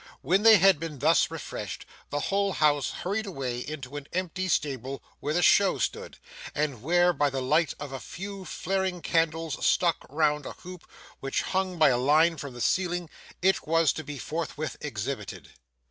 When they had been thus refreshed, the whole house hurried away into an empty stable where the show stood, and where, by the light of a few flaring candles stuck round a hoop which hung by a line from the ceiling, it was to be forthwith exhibited.